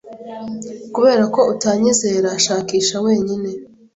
Kubera ko utanyizera, shakisha wenyine.